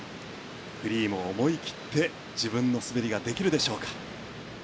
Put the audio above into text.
フリーも思い切って自分の滑りができるでしょうか。